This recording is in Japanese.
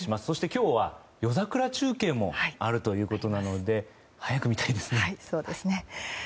そして今日は夜桜中継もあるということなので早く見たいですね。